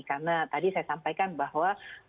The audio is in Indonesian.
karena tadi saya sampaikan bahwa